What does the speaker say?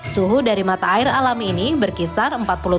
suhu dari mata air alam ini berkisar empat puluh tiga derajat celcius